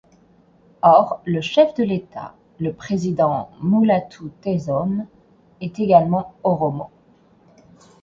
Or, le chef de l'État, le président Mulatu Teshome, est également Oromo.